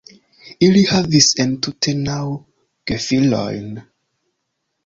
Ili havis entute naŭ gefilojn.